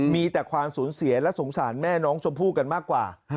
มีแต่ความสูญเสียและสงสารแม่น้องชมพู่กันมากกว่า